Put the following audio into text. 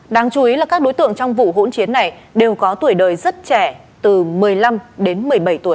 đáng chú ý là các đối tượng trong vụ hỗn chiến này đều có tuổi đời rất trẻ từ một mươi năm đến một mươi bảy tuổi